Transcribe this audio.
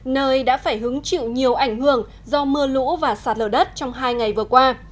nơi đã phải hứng chịu nhiều ảnh hưởng do mưa lũ và sạt lở đất trong hai ngày vừa qua